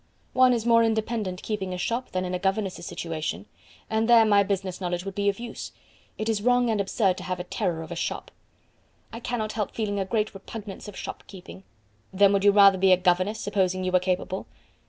One is more independent keeping a shop than in a governess's situation, and there my business knowledge would be of use. It is wrong and absurd to have a terror of a shop." "I cannot help feeling a great repugnance to shopkeeping." "Then would you rather be a governess, supposing you were capable?"